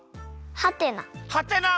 はてな。